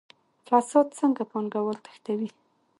فساد څنګه پانګوال تښتوي؟